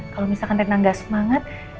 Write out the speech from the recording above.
kalau misalkan renang gak semangat